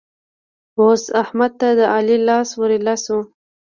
اوس احمد ته د علي لاس ور ايله شو.